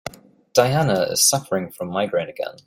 Diana is suffering from migraine again.